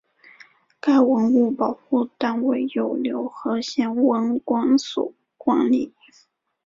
该文物保护单位由柳河县文管所管理。